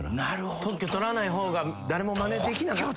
特許取らない方が誰もまねできなかった。